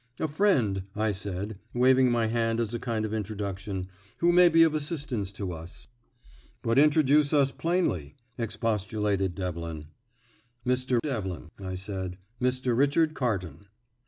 "A friend," I said, waving my hand as a kind of introduction, "who may be of assistance to us." "But introduce us plainly," expostulated Devlin. "Mr. Devlin," I said, "Mr. Richard Carton."